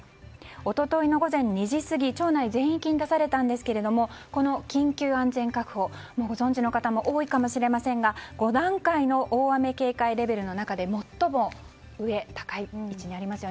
一昨日の午前２時過ぎ町内全域に出されたんですがこの緊急安全確保、ご存じの方も多いかもしれませんが５段階の大雨警戒レベルの中で最も上、高い位置にあります。